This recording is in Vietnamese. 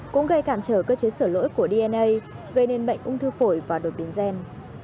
cũng gây cản trở cơ chế sửa lỗi của dna gây nên bệnh ung thư phổi và đột biến gen